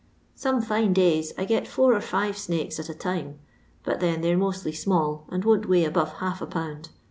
Some fine days I get four or five snakes at a time ; but then they 're mostly small, and won't weigh above half a pound.